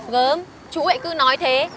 gớm chú ấy cứ nói thế